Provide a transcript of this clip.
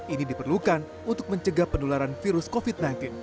ini diperlukan untuk mencegah penularan virus covid sembilan belas